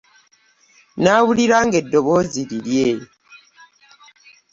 Nawulira nga eddoboozi lirye.